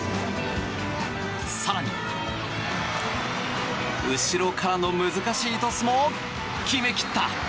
更に、後ろからの難しいトスも決め切った！